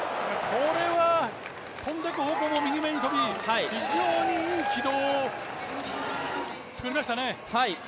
これは飛んでく方向も右めに飛び非常にいい軌道を作りましたね。